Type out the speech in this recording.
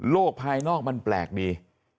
ภายนอกมันแปลกดี